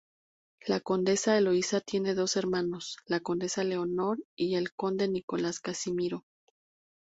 La condesa Eloísa tiene dos hermanos, la condesa Leonor y el conde Nicolás Casimiro.